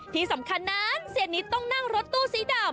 ที่สำคัญนั้นเสียนิดต้องนั่งรถตู้สีดำ